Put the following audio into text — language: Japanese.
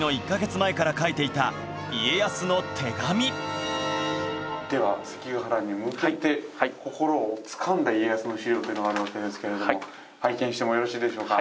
まずはでは関ヶ原に向けて心をつかんだ家康の史料というのがあるわけですけれども拝見してもよろしいでしょうか？